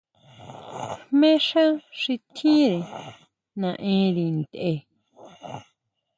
Jmé xá xi tjínre naʼenri ntʼe.